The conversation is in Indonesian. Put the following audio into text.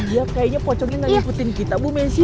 iya kayaknya pocongnya nggak nyebutin kita bu mesi